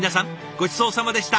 ごちそうさまでした。